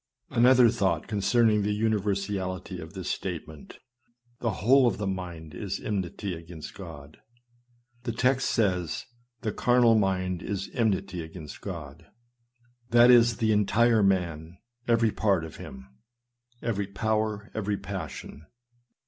Another thought concerning the universality of this statement. The whole of the mind is enmity against God. The text says, " The carnal mind is enmity against God." That is, the entire man, every part of him — every power, every passion.